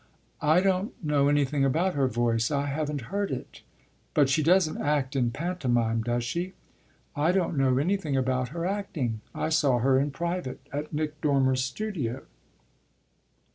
"I don't know anything about her voice I haven't heard it." "But she doesn't act in pantomime, does she?" "I don't know anything about her acting. I saw her in private at Nick Dormer's studio."